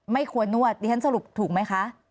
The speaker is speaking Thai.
ไม่ควรนวดดิฉันสรุปถูกไหมคะ